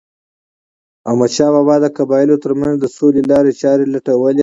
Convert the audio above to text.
احمدشاه بابا د قبایلو ترمنځ د سولې لارې چارې لټولې.